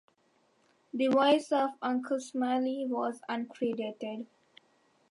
The voice of Uncle Smiley was uncredited.